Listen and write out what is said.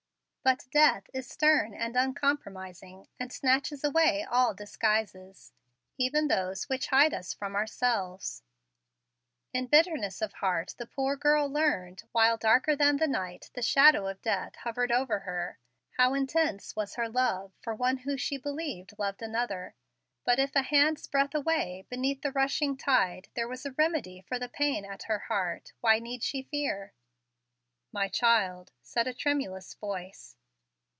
But death is stern and uncompromising, and snatches away all disguises, even those which hide us from ourselves. In bitterness of heart the poor girl learned, while darker than the night the shadow of death hovered over her, how intense was her love for one who she believed loved another. If but a hand's breadth away, beneath the rushing tide, there was a remedy for the pain at her heart, why need she fear? "My child," said a tremulous voice.